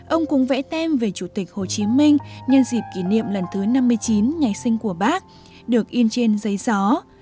ông cũng vẽ tem về chủ tịch hồ chí minh nhân dịp kỷ niệm lần thứ năm mươi chín ngày sinh của bác được in trên giấy gió